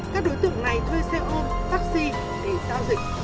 các đối tượng này thuê xe ôm taxi để giao dịch